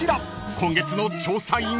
［今月の調査員は？］